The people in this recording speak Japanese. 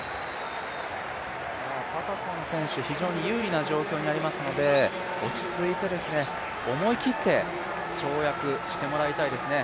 パタソン選手、非常に有利な状況にありますので落ち着いて、思い切って跳躍してもらいたいですね。